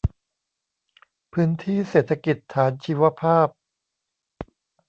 พื้นที่เศรษฐกิจฐานชีวภาพ